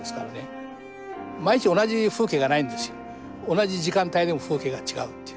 同じ時間帯でも風景が違うっていう。